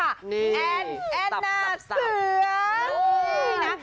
แอดแอดน่าเสือ